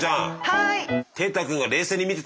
はい！